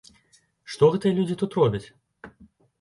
Што гэтыя людзі тут робяць?